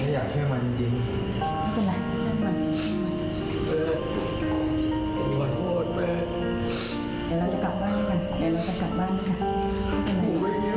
เดี๋ยวเราจะกลับบ้านด้วยกัน